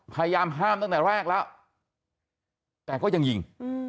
พยายามห้ามตั้งแต่แรกแล้วแต่ก็ยังยิง